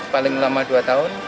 paling lama dua tahun